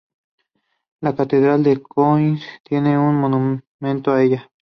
La Catedral de Königsberg tiene un monumento a ella.